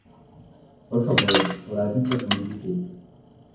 Por favor, leve um cartão de visita.